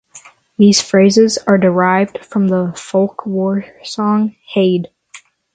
These phrases are derived from the folk war song Hade!!